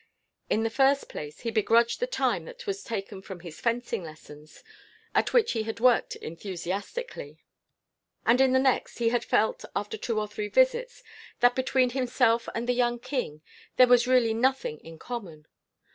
In the first place, he begrudged the time that was taken from his fencing lessons, at which he had worked enthusiastically; and in the next, he had felt, after two or three visits, that between himself and the young king there was really nothing in common.